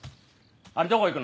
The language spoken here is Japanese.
あれどこ行くの？